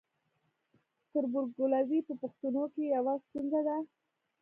تربورګلوي په پښتنو کې یوه ستونزه ده.